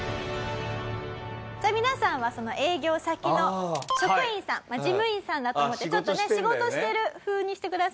じゃあ皆さんはその営業先の職員さん事務員さんだと思ってちょっとね仕事してる風にしてください。